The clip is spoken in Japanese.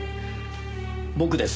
僕です。